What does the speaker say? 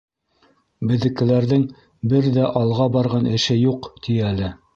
Беҙҙекеләрҙең бер ҙә алға барған эше юҡ, ти, әле.